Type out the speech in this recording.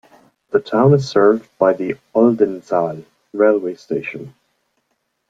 The town is served by the Oldenzaal railway station.